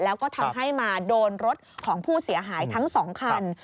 แล้วก็ทำให้มาโดนรถของผู้เสียหายทั้ง๒คัน